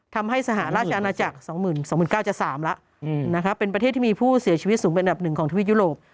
สหราชอาณาจักร๒๒๙๐๐จะ๓แล้วเป็นประเทศที่มีผู้เสียชีวิตสูงเป็นอันดับหนึ่งของทวีปยุโรป